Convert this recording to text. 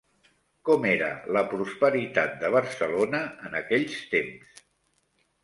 Com era la prosperitat de Barcelona en aquells temps?